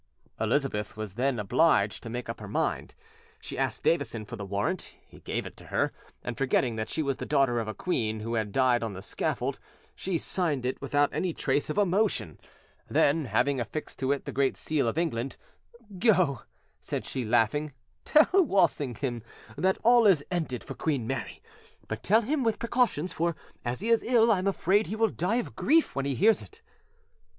Elizabeth was then obliged to make up her mind. She asked Davison for the warrant; he gave it to her, and, forgetting that she was the daughter of a queen who had died on the scaffold, she signed it without any trace of emotion; then, having affixed to it the great seal of England, "Go," said she, laughing, "tell Walsingham that all is ended for Queen Mary; but tell him with precautions, for, as he is ill, I am afraid he will die of grief when he hears it."